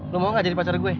lo mau gak jadi pacar gue